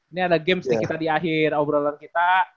ini ada games di kita di akhir obrolan kita